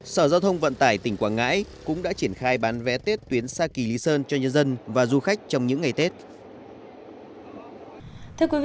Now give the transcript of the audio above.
sở giao thông vận tải tỉnh quảng ngãi cũng đã triển khai bán vé tết tuyến sa kỳ lý sơn cho nhân dân và du khách trong những ngày tết